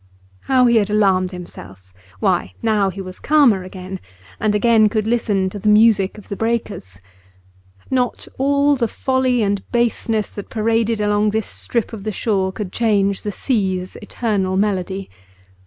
How he had alarmed himself! Why, now he was calmer again, and again could listen to the music of the breakers. Not all the folly and baseness that paraded along this strip of the shore could change the sea's eternal melody.